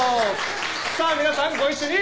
さあ皆さんご一緒に！